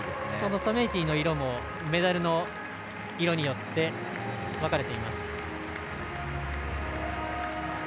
ソメイティの色もメダルの色によって分かれています。